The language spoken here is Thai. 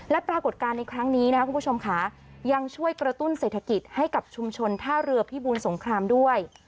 และปรากฏการณ์ในครั้งนี้นะครับคุณผู้ชมค่ะยังช่วยกระตุ้นเศรษฐกิจให้กับชุมชนท่าเรือพิบูรสงครามด้วย